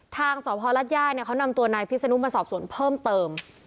ทางสพรัฐย่าเนี่ยเขานำตัวนายพิศนุมาสอบสวนเพิ่มเติม